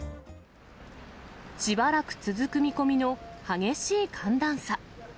しばらく続く見込みの激しい寒暖差。